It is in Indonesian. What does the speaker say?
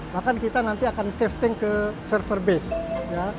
bahkan kita nanti akan save tank ke server base